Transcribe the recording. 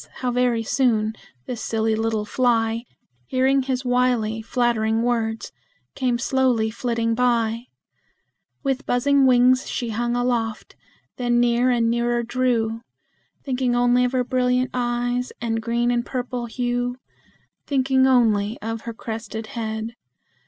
how very soon this silly little fly, Hearing his wily, flattering words, came slowly flitting by; With buzzing wings she hung aloft, then near and nearer drew, Thinking only of her brilliant eyes and green and purple hue, Thinking only of her crested head.